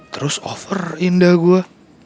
terus over indah gue